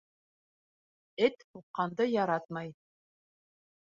Эт һуҡҡанды яратмай.